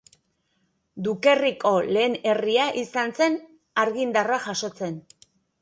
Dukerriko lehen herria izan zen argi-indarra jasotzen.